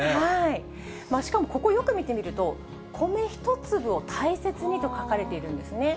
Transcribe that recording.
しかも、ここよく見てみると、米一粒を大切にと書かれているんです。